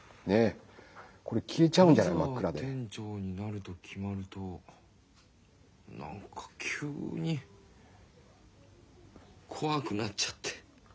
店長になるときまると何かきゅうにこわくなっちゃって。